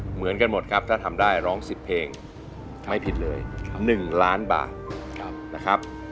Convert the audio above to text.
เหมือนกันหมดครับถ้าทำได้ร้อง๑๐เพลงไม่ผิดเลย๑ล้านบาทนะครับ